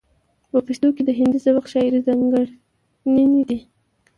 په پښتو کې د هندي سبک شاعرۍ ځاتګړنې دي.